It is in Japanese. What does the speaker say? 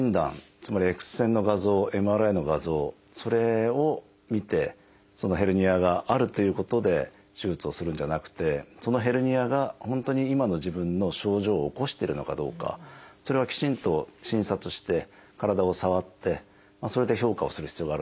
つまりＸ線の画像ＭＲＩの画像それを見てヘルニアがあるということで手術をするんじゃなくてそのヘルニアが本当に今の自分の症状を起こしてるのかどうかそれはきちんと診察して体を触ってそれで評価をする必要があるんですよね。